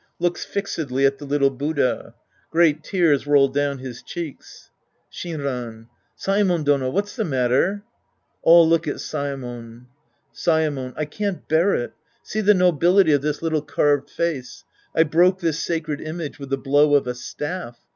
{Looks fixedly at the little Buddha. Great tears roll doivn his cheeks.) Shinran. Saemon Dono, what's the matter ? {All look at Saemon.) Saemon. I can't bear it. See the nobility of this little carved face. I broke this sacred image with the blow of a staff.